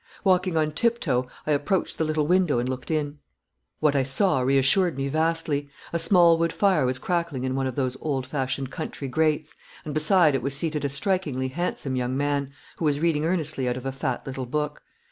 Walking on tiptoe I approached the little window and looked in. What I saw reassured me vastly. A small wood fire was crackling in one of those old fashioned country grates, and beside it was seated a strikingly handsome young man, who was reading earnestly out of a fat little book.